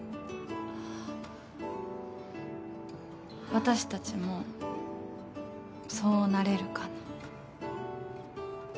私たちもそうなれるかな？